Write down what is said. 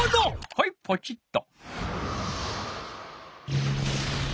はいポチッと。